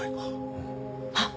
あっ！